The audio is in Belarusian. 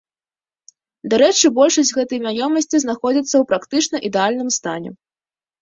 Дарэчы, большасць гэтай маёмасці знаходзіцца ў практычна ідэальным стане.